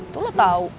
tuh lo tau